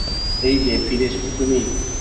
এই যে, ফিরে এসেছো তুমি!